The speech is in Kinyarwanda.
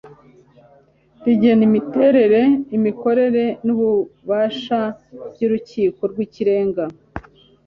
rigena imiterere, imikorere n'ububasha by'urukiko rw'ikirenga